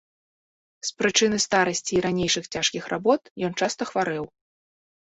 З прычыны старасці і ранейшых цяжкіх работ, ён часта хварэў.